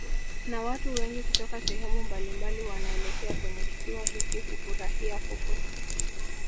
Na watu wengi kutoka sehemu mbalimbali wanaelekea kwenye kisiwa hiki hufurahia fukwe